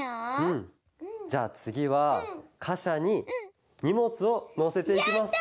じゃあつぎはかしゃににもつをのせていきます。